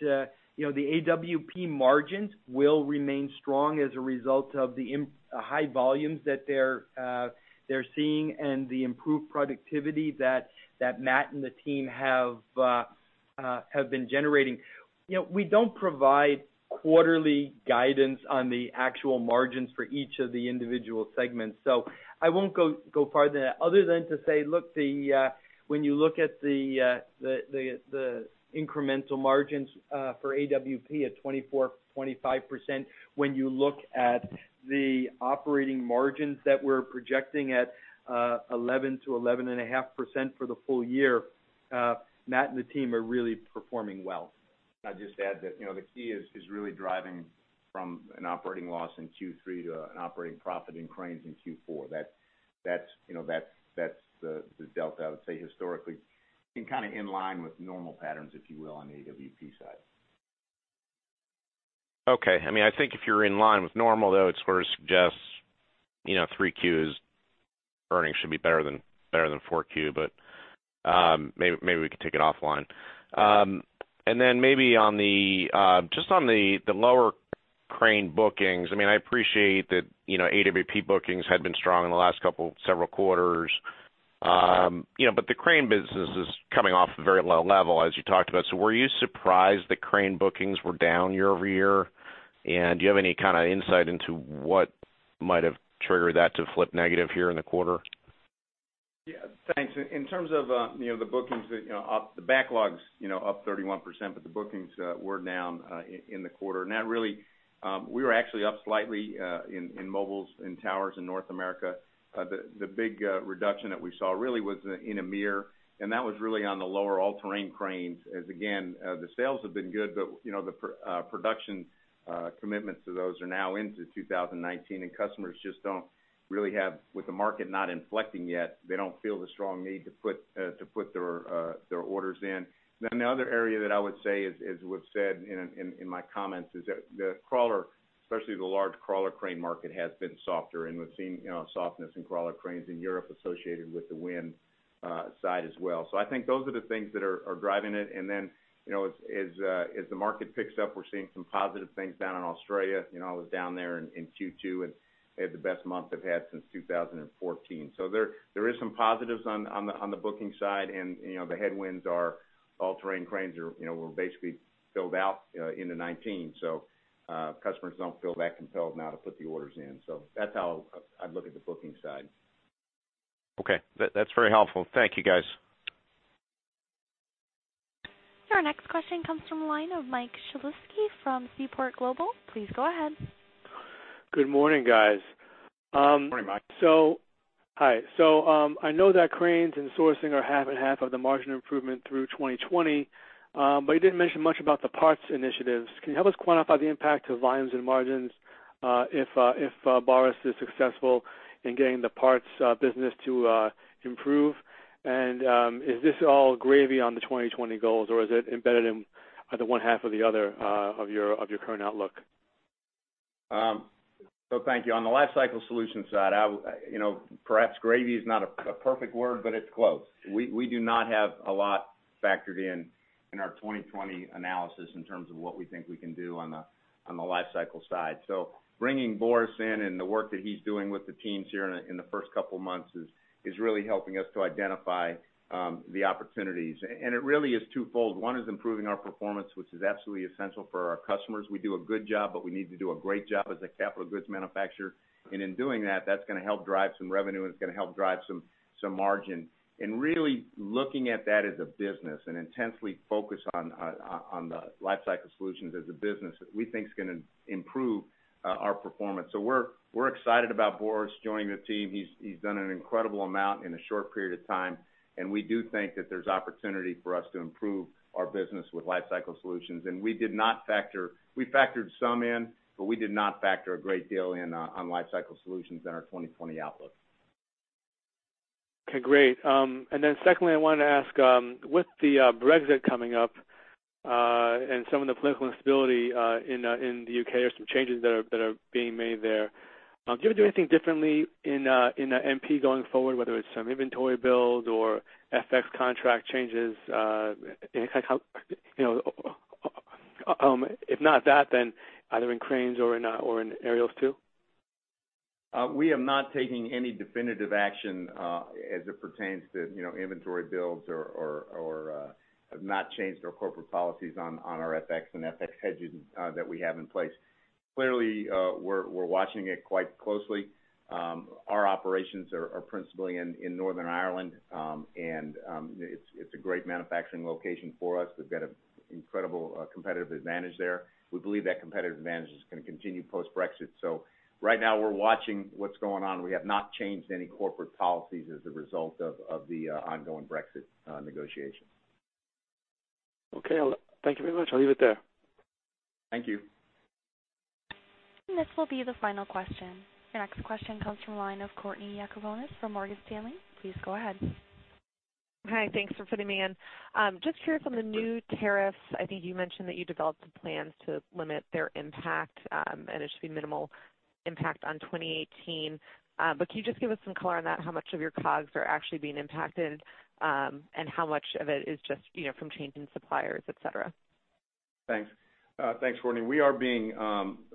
the AWP margins will remain strong as a result of the high volumes that they're seeing and the improved productivity that Matt and the team have been generating. We don't provide quarterly guidance on the actual margins for each of the individual segments. I won't go farther other than to say, look, when you look at the incremental margins for AWP at 24%-25%, when you look at the operating margins that we're projecting at 11%-11.5% for the full year, Matt and the team are really performing well. I'll just add that the key is really driving from an operating loss in Q3 to an operating profit in cranes in Q4. That's the delta I would say historically being kind of in line with normal patterns, if you will, on the AWP side. Okay. I think if you're in line with normal, though, it sort of suggests 3Q's earnings should be better than 4Q, maybe we can take it offline. Maybe just on the lower crane bookings, I appreciate that AWP bookings had been strong in the last several quarters. The crane business is coming off a very low level as you talked about. Were you surprised that crane bookings were down year-over-year? Do you have any kind of insight into what might have triggered that to flip negative here in the quarter? Yeah. Thanks. In terms of the bookings, the backlogs up 31%, the bookings were down in the quarter. We were actually up slightly in mobiles and towers in North America. The big reduction that we saw really was in EMEA, that was really on the lower all-terrain cranes. As again, the sales have been good, the production commitments to those are now into 2019, customers just don't really have, with the market not inflecting yet, they don't feel the strong need to put their orders in. The other area that I would say is, as was said in my comments, is that the crawler, especially the large crawler crane market, has been softer, we've seen softness in crawler cranes in Europe associated with the wind side as well. I think those are the things that are driving it. Then as the market picks up, we're seeing some positive things down in Australia. I was down there in Q2, and they had the best month they've had since 2014. There is some positives on the booking side. The headwinds are all-terrain cranes were basically filled out into 2019. Customers don't feel that compelled now to put the orders in. That's how I'd look at the booking side. Okay. That's very helpful. Thank you, guys. Your next question comes from the line of Mike Shlisky from Seaport Global. Please go ahead. Good morning, guys. Morning, Mike. Hi. I know that cranes and sourcing are half and half of the margin improvement through 2020, but you didn't mention much about the parts initiatives. Can you help us quantify the impact to volumes and margins if Boris Schöpplein is successful in getting the parts business to improve? Is this all gravy on the 2020 goals, or is it embedded in either one half or the other of your current outlook? Thank you. On the lifecycle solutions side, perhaps gravy is not a perfect word, but it's close. We do not have a lot factored in in our 2020 analysis in terms of what we think we can do on the lifecycle side. Bringing Boris Schöpplein in and the work that he's doing with the teams here in the first couple of months is really helping us to identify the opportunities. It really is twofold. One is improving our performance, which is absolutely essential for our customers. We do a good job, but we need to do a great job as a capital goods manufacturer. In doing that's going to help drive some revenue, and it's going to help drive some margin. Really looking at that as a business and intensely focus on the lifecycle solutions as a business, we think is going to improve our performance. We're excited about Boris Schöpplein joining the team. He's done an incredible amount in a short period of time, and we do think that there's opportunity for us to improve our business with lifecycle solutions. We factored some in, but we did not factor a great deal in on lifecycle solutions in our 2020 outlook. Okay, great. Secondly, I wanted to ask, with the Brexit coming up, and some of the political instability in the U.K., there are some changes that are being made there. Do you ever do anything differently in MP going forward, whether it's some inventory builds or FX contract changes? If not that, either in cranes or in aerials, too? We have not taken any definitive action as it pertains to inventory builds or have not changed our corporate policies on our FX and FX hedges that we have in place. Clearly, we're watching it quite closely. Our operations are principally in Northern Ireland, and it's a great manufacturing location for us. We've got an incredible competitive advantage there. We believe that competitive advantage is going to continue post-Brexit. Right now we're watching what's going on. We have not changed any corporate policies as a result of the ongoing Brexit negotiations. Okay. Thank you very much. I'll leave it there. Thank you. This will be the final question. Your next question comes from the line of Courtney Yakavonis from Morgan Stanley. Please go ahead. Hi. Thanks for fitting me in. Just curious on the new tariffs, I think you mentioned that you developed some plans to limit their impact. It should be minimal impact on 2018. Can you just give us some color on that, how much of your costs are actually being impacted, and how much of it is just from changing suppliers, et cetera? Thanks. Thanks, Courtney. We are being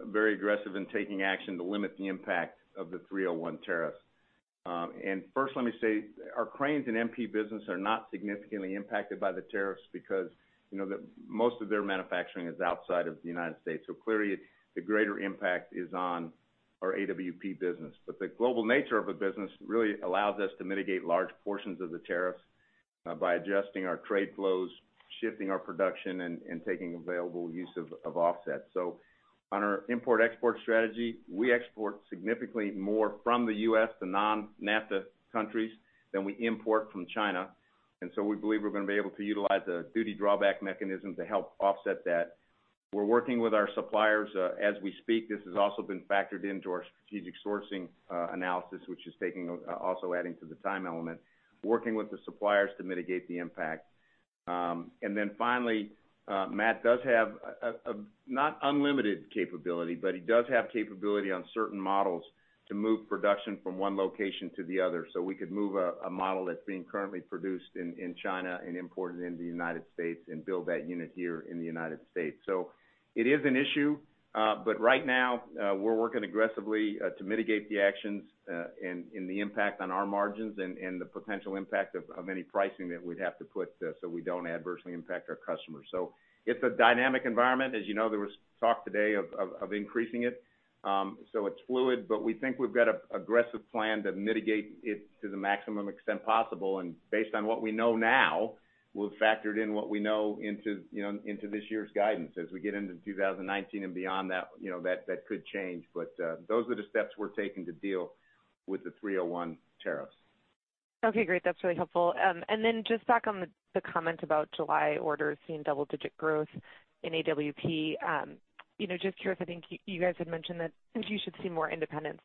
very aggressive in taking action to limit the impact of the 301 tariff. First, let me say, our cranes and MP business are not significantly impacted by the tariffs because most of their manufacturing is outside of the United States. Clearly the greater impact is on our AWP business. The global nature of the business really allows us to mitigate large portions of the tariff by adjusting our trade flows, shifting our production, and taking available use of offsets. On our import-export strategy, we export significantly more from the U.S. to non-NAFTA countries than we import from China, and so we believe we're going to be able to utilize a duty drawback mechanism to help offset that. We're working with our suppliers as we speak. This has also been factored into our strategic sourcing analysis, which is also adding to the time element, working with the suppliers to mitigate the impact. Finally, Matt does have a not unlimited capability, but he does have capability on certain models to move production from one location to the other. We could move a model that's being currently produced in China and imported into the United States and build that unit here in the United States. It is an issue, but right now, we're working aggressively to mitigate the actions and the impact on our margins and the potential impact of any pricing that we'd have to put so we don't adversely impact our customers. It's a dynamic environment. As you know, there was talk today of increasing it. It's fluid, but we think we've got an aggressive plan to mitigate it to the maximum extent possible. Based on what we know now, we've factored in what we know into this year's guidance. As we get into 2019 and beyond that could change. Those are the steps we're taking to deal with the 301 tariffs. Okay, great. That's really helpful. Then just back on the comment about July orders seeing double-digit growth in AWP. Just curious, I think you guys had mentioned that you should see more independents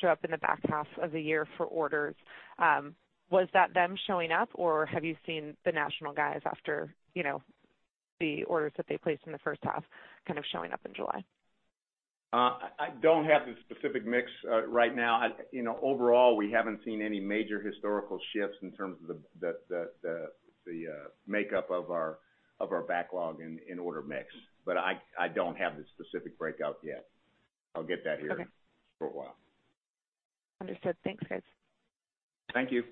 show up in the back half of the year for orders. Was that them showing up, or have you seen the national guys after the orders that they placed in the first half kind of showing up in July? I don't have the specific mix right now. Overall, we haven't seen any major historical shifts in terms of the makeup of our backlog in order mix, but I don't have the specific breakout yet. I'll get that here. Okay For a while. Understood. Thanks, guys. Thank you.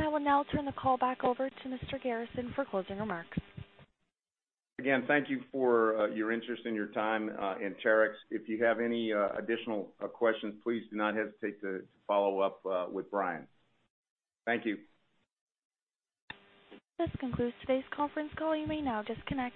I will now turn the call back over to Mr. Garrison for closing remarks. Again, thank you for your interest and your time in Terex. If you have any additional questions, please do not hesitate to follow up with Brian. Thank you. This concludes today's conference call. You may now disconnect.